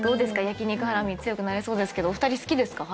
焼き肉ハラミ強くなれそうですけどお二人好きですか？